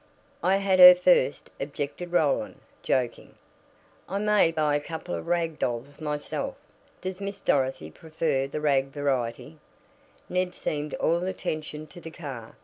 "I had her first," objected Roland, joking. "I may buy a couple of rag dolls myself. Does Miss Dorothy prefer the rag variety?" Ned seemed all attention to the car.